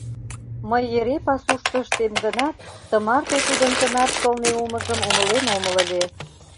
— Мый эре пасушто ыштем гынат, тымарте тудын тынар сылне улмыжым умылен омыл ыле.